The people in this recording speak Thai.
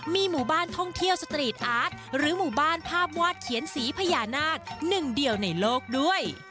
มีหมู่บ้านท่องเที่ยวสตรีทอาร์ตหรือหมู่บ้านภาพวาดเขียนสีพญานาคหนึ่งเดียวในโลกด้วย